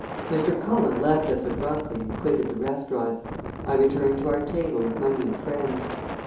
Mr. Cullen left us abruptly and quitted the restaurant. I returned to our table with my new friend.